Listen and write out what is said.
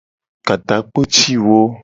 Ka takpo ci wo.